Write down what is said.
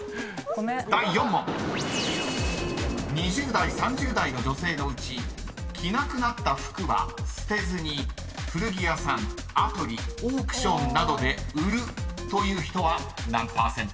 ［２０代３０代の女性のうち着なくなった服は捨てずに古着屋さんアプリオークションなどで売るという人は何％？］